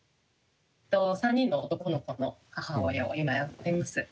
３人の男の子の母親を今やっています。